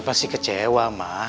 pasti kecewa ma